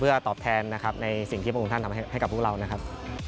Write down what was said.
เพื่อตอบแทนนะครับในสิ่งที่พระองค์ท่านทำให้กับพวกเรานะครับ